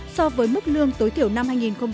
so với mức lương tối thiểu năm hai nghìn một mươi chín